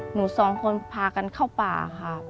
หนูสองคนพากันเข้าป่าค่ะ